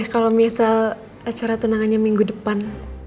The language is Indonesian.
kalo misal acara tunangannya minggu depan